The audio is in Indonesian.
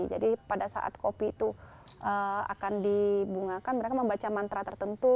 jadi pada saat kopi itu akan dibungakan mereka membaca mantra tertentu